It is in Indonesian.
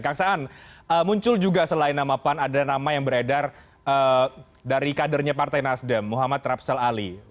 kang saan muncul juga selain nama pan ada nama yang beredar dari kadernya partai nasdem muhammad rapsel ali